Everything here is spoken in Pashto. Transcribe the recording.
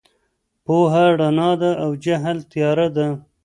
پوهه رڼا ده او جهل تیاره ده.